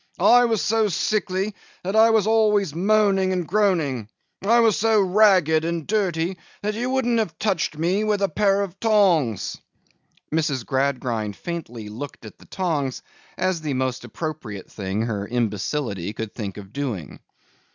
I was so sickly, that I was always moaning and groaning. I was so ragged and dirty, that you wouldn't have touched me with a pair of tongs.' Mrs. Gradgrind faintly looked at the tongs, as the most appropriate thing her imbecility could think of doing.